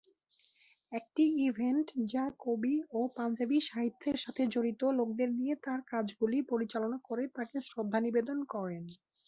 একটি ইভেন্ট যা কবি ও পাঞ্জাবি সাহিত্যের সাথে জড়িত লোকদের নিয়ে তার কাজগুলি পরিচালনা করে তাকে শ্রদ্ধা নিবেদন করেন।